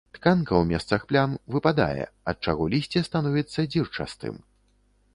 Тканка ў месцах плям выпадае, ад чаго лісце становіцца дзірчастым.